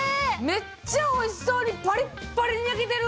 めっちゃおいしそうにパリッパリに焼けてる！